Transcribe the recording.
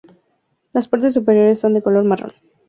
Las partes superiores son de color marrón.